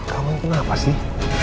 kamu kenapa sih